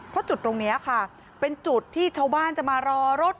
เพราะจุดตรงนี้ค่ะเป็นจุดที่ชาวบ้านจะมารอรถ